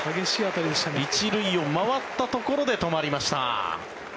１塁を回ったところで止まりました。